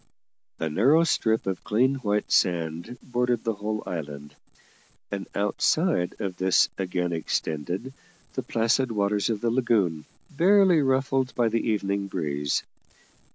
A narrow strip of clean white sand bordered the whole island, and outside of this again extended the placid waters of the lagoon, barely ruffled by the evening breeze.